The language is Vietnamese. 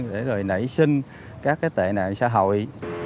để nảy sinh các tệ nạn xã hội